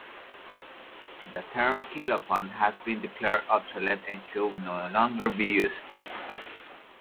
The term "kilopond" has been declared obsolete and should no longer be used.